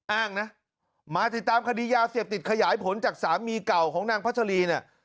อ้างนะมาติดตามคดียาเสพติดขยายผลจากสามีเก่าของนางพัชรีเนี่ย